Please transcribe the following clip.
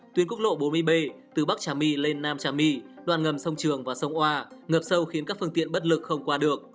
tuyến quốc lộ bốn mươi b từ bắc trà my lên nam trà my đoạn ngầm sông trường và sông oa ngập sâu khiến các phương tiện bất lực không qua được